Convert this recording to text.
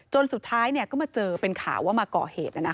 สุดท้ายก็มาเจอเป็นข่าวว่ามาก่อเหตุ